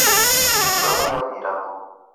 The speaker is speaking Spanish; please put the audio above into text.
Fue muy admirado.